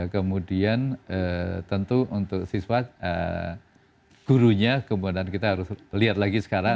kemudian tentu untuk siswa gurunya kemudian kita harus lihat lagi sekarang